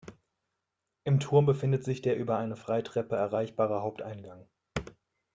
Im Turm befindet sich der über eine Freitreppe erreichbare Haupteingang.